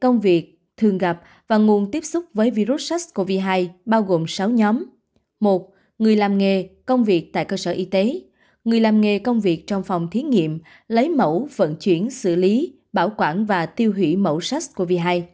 người làm nghề công việc trong phòng thí nghiệm lấy mẫu vận chuyển xử lý bảo quản và tiêu hủy mẫu sars cov hai